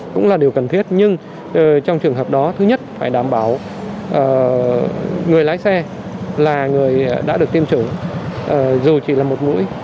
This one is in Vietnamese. cũng là điều cần thiết nhưng trong trường hợp đó thứ nhất phải đảm bảo người lái xe là người đã được tiêm chủng dù chỉ là một mũi